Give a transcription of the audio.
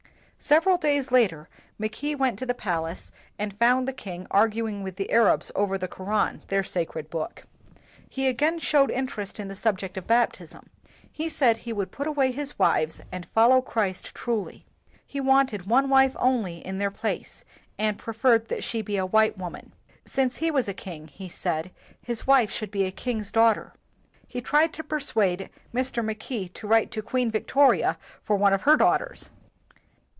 Several days later, Mackay went to the palace and found the king arguing with the Arabs over the Koran, their sacred book. He again showed interest in the subject of baptism. He said he would put away his wives and follow Christ truly. He wanted one wife only in their place, and preferred that she be a white woman. Since he was a king, he said, his wife should be a king's daughter. He tried to persuade Mr. Mackay to write to Queen Victoria for one of her daughters.